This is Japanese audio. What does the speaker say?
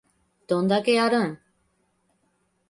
どんだけやるん